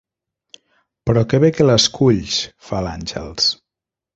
Però bé que les culls –fa l'Àngels.